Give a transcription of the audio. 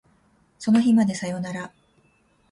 その日までさよなら